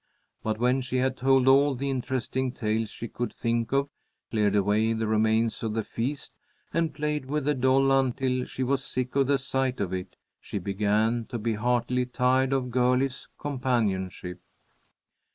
But when she had told all the interesting tales she could think of, cleared away the remains of the feast, and played with the doll until she was sick of the sight of it, she began to be heartily tired of Girlie's companionship.